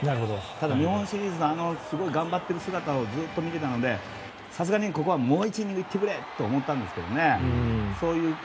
ただ、日本シリーズですごい頑張っている姿をずっと見ていたのでさすがに、ここはもう１イニング行ってくれって思ったんですね。